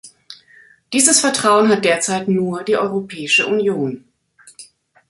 Dieses Vertrauen hat derzeit nur die Europäische Union.